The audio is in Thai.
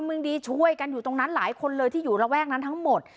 เมืองดีช่วยกันอยู่ตรงนั้นหลายคนเลยที่อยู่ระแวกนั้นทั้งหมด